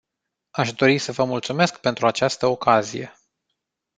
Aș dori să vă mulțumesc pentru această ocazie.